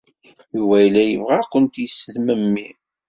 Yuba yella yebɣa ad kent-yesmemmi.